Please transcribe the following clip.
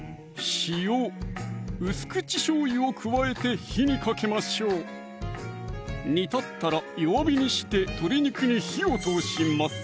・塩・薄口しょうゆを加えて火にかけましょう煮立ったら弱火にして鶏肉に火を通します